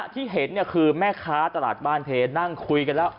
ที่เห็นคือแม่ค้าตลาดบ้านเพนั่งคุยกันแล้ว